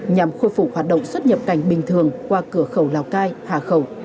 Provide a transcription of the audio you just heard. nhằm khôi phục hoạt động xuất nhập cảnh bình thường qua cửa khẩu lào cai hà khẩu